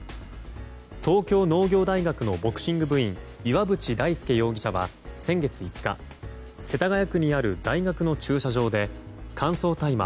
東京農業大学のボクシング部員岩渕大輔容疑者は、先月５日世田谷区にある大学の駐車場で乾燥大麻